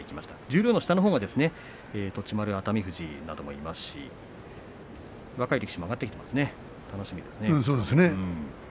十両の下のほうは栃丸熱海富士もいますし若い力士が上がってきていますね楽しみです。